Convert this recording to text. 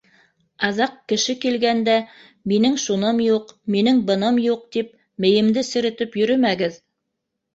Аҙаҡ, кеше килгәндә, минең шуным юҡ, минең быным юҡ, тип мейемде серетеп йөрөмәгеҙ.